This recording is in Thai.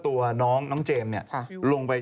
ตัวน้องเจมส์เนี่ยลงไป